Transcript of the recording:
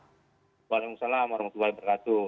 waalaikumsalam warahmatullahi wabarakatuh